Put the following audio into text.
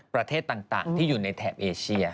ประเทศต่างที่อยู่ในแถบเอเชีย